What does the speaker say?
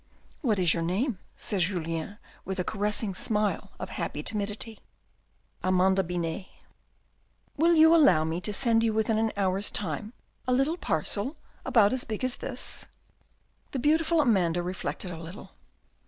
" What is your name ?" said Julien, with the caressing smile of happy timidity. "Amanda Binet." "Will you allow me to send you within an hour's time a little parcel about as big as this ?" The beautiful Amanda reflected a little.